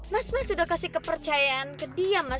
mas mas sudah kasih kepercayaan ke dia mas